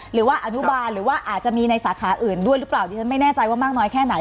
หรือว่าอนุบาลหรือว่าอาจจะมีในสาขาอื่นด้วยหรือเปล่า